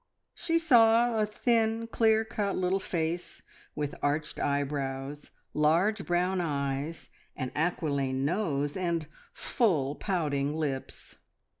She saw a thin, clear cut little face, with arched eyebrows, large brown eyes, an aquiline nose, and full, pouting lips.